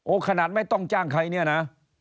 ขนาดไม่ต้องจ้างใครเนี่ยนะ